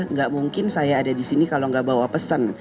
nggak mungkin saya ada disini kalau nggak bawa pesan